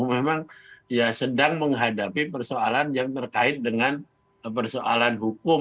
memang ya sedang menghadapi persoalan yang terkait dengan persoalan hukum